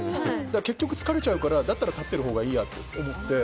結局疲れちゃうからだったら立ってるほうがいいやって。